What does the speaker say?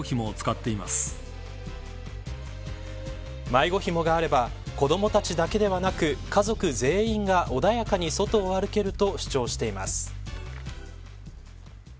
迷子ひもがあれば子どもたちだけではなく家族全員が穏やかに外を歩けると主張しています。